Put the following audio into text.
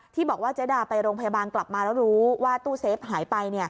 ที่บอกว่าเจดาไปโรงพยาบาลกลับมาแล้วรู้ว่าตู้เซฟหายไป